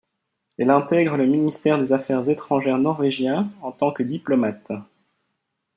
Elle intègre le ministère des Affaires étrangères norvégien en tant que diplomate.